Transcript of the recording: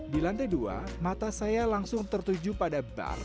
di lantai dua mata saya langsung tertuju pada bar yang berdiri di bawah